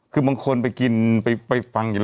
คือบางคนไปกินไปฟังอย่างนี้